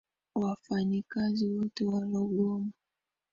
Wafanyikazi wote walogoma.